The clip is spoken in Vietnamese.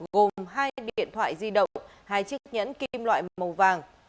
gồm hai điện thoại di động hai chiếc nhẫn kim loại màu vàng